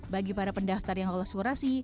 bagi para pendaftar yang lolos durasi